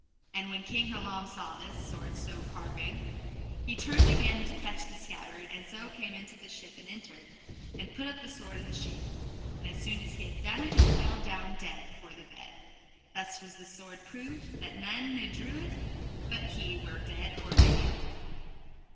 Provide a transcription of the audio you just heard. And when King Hurlame saw this sword so carving, he turned again to fetch the scabbard, and so came into this ship and entered, and put up the sword in the sheath. And as soon as he had done it he fell down dead afore the bed. Thus was the sword proved, that none ne drew it but he were dead or maimed.